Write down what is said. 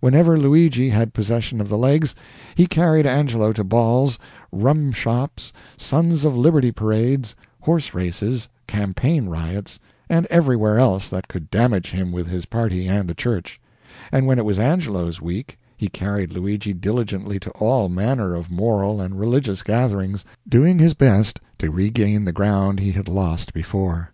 Whenever Luigi had possession of the legs, he carried Angelo to balls, rum shops, Sons of Liberty parades, horse races, campaign riots, and everywhere else that could damage him with his party and the church; and when it was Angelo's week he carried Luigi diligently to all manner of moral and religious gatherings, doing his best to regain the ground he had lost before.